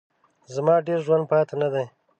زما ډېر ژوند پاته نه دی.